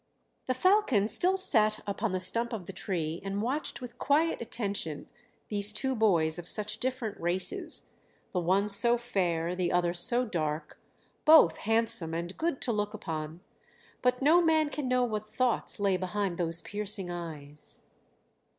The falcon still sat upon the stump of the tree and watched with quiet attention these two boys of such different races, the one so fair, the other so dark, both handsome and good to look upon; but no man can know what thoughts lay behind those piercing eyes.